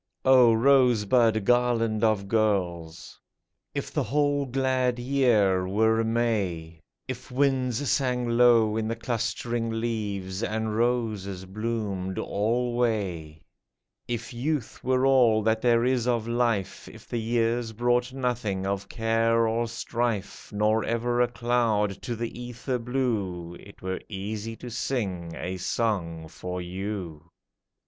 O Rosebud garland of girls ! If the whole glad year were May ; If winds sang low in the clustering leaves, And roses bloomed alway ; If youth were all that there is of life ; If the years brought nothing of care or strife, Nor ever a cloud to the ether blue, It were easy to sing a song for you